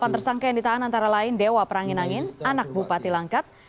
delapan tersangka yang ditahan antara lain dewa perangin angin anak bupati langkat